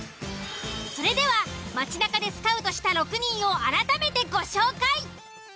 それでは街なかでスカウトした６人を改めてご紹介。